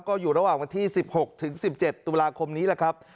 ก็อยู่ระหว่างวันที่๑๖ถึง๑๗ตุลาคมนี้แหละครับ